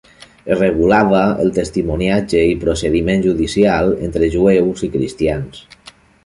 Es regulava el testimoniatge i el procediment judicial entre jueus i cristians.